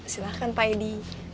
silahkan pak edi